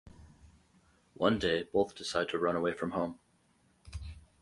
One day both decide to run away from home.